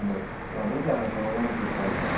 いや僕はそのなんていうんですか？